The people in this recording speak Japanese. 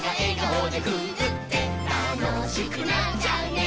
「たのしくなっちゃうね」